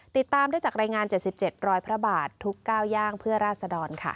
ติดตามได้จากรายงาน๗๗รอยพระบาททุกก้าวย่างเพื่อราศดรค่ะ